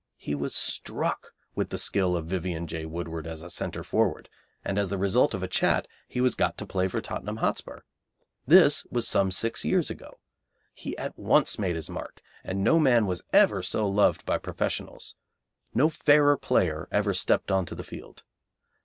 He was struck with the skill of Vivian J. Woodward as a centre forward, and as the result of a chat he was got to play for Tottenham Hotspur. This was some six years ago. He at once made his mark, and no man was ever so loved by professionals. No fairer player ever stepped on to the field.